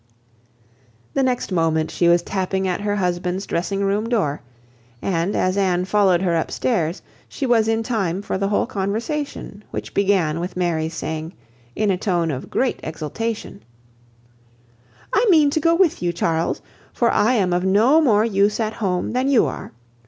The next moment she was tapping at her husband's dressing room door, and as Anne followed her up stairs, she was in time for the whole conversation, which began with Mary's saying, in a tone of great exultation— "I mean to go with you, Charles, for I am of no more use at home than you are.